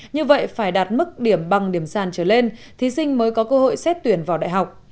như vậy phải đạt mức điểm bằng điểm sàn trở lên thí sinh mới có cơ hội xét tuyển vào đại học